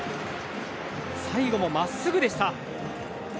最後も真っすぐでした。